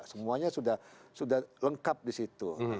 semuanya sudah lengkap di situ